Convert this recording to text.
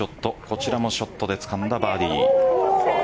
こちらもショットでつかんだバーディー。